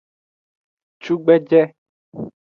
Cugbeje.